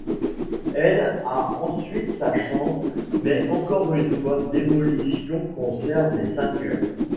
L' a ensuite sa chance mais encore une fois Demolition conserve les ceintures.